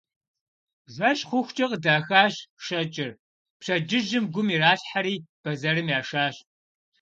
Жэщ хъухукӀэ къыдахащ щэкӀыр, пщэдджыжьым гум иралъхьэри бэзэрым яшащ.